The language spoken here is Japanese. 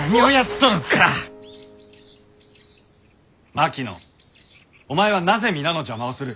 槙野お前はなぜ皆の邪魔をする？